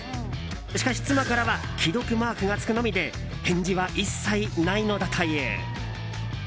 しかし、妻からは既読マークがつくのみで返事は一切ないのだという。